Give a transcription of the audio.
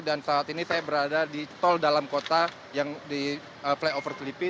dan saat ini saya berada di tol dalam kota yang di flyover sleepy